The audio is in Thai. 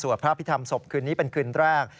พระพิธรรมศพคืนนี้เป็นคืนแรก